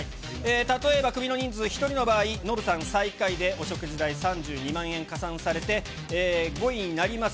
例えばクビの人数１人の場合、ノブさん、最下位でお食事代３２万円加算されて、５位になります。